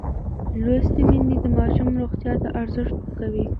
لوستې میندې د ماشوم روغتیا ته ارزښت ورکوي.